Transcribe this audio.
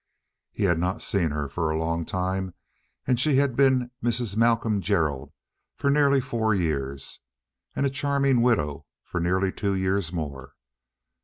He had not seen her for a long time, and she had been Mrs. Malcolm Gerald for nearly four years, and a charming widow for nearly two years more.